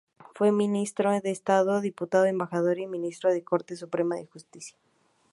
Fue ministro de estado, diputado, embajador y ministro de la Corte Suprema de Justicia.